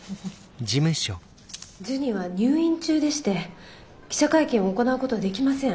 ジュニは入院中でして記者会見を行うことはできません。